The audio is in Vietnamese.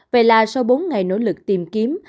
vậy là sau bốn ngày nỗ lực tìm kiếm